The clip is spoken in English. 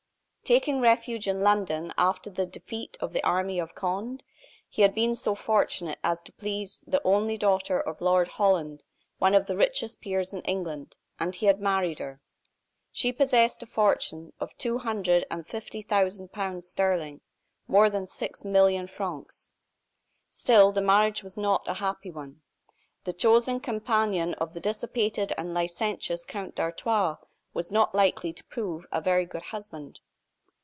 Taking refuge in London after the defeat of the army of Conde, he had been so fortunate as to please the only daughter of Lord Holland, one of the richest peers in England, and he had married her. She possessed a fortune of two hundred and fifty thousand pounds sterling, more than six million francs. Still the marriage was not a happy one. The chosen companion of the dissipated and licentious Count d'Artois was not likely to prove a very good husband.